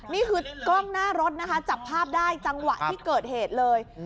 นี่คือกล้องหน้ารถนะคะจับภาพได้จังหวะที่เกิดเหตุเลย